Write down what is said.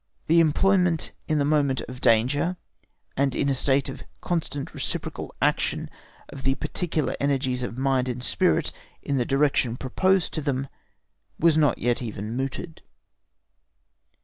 The employment in the moment of danger and in a state of constant reciprocal action of the particular energies of mind and spirit in the direction proposed to them was not yet even mooted.